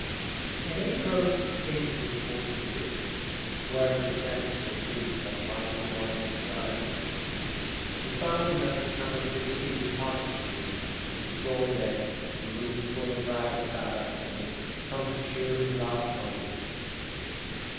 In April 1846 word was sent to the priest that Michael Moran was dying. He found him at 15 (now 14^) Patrick Street, on a straw bed, in a room full of ragged ballad singers come to cheer his last moments.